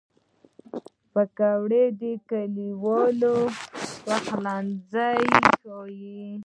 پکورې د کلیوالو پخلنځی ښيي